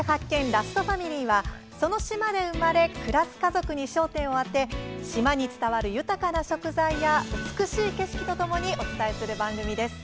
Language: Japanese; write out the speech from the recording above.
ラストファミリー」はその島で生まれ暮らす家族に焦点をあて島に伝わる豊かな食材や美しい景色とともにお伝えする番組です。